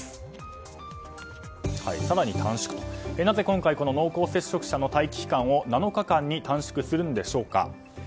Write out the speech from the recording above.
なぜ今回濃厚接触者の待機期間を７日間に短縮するのでしょうか。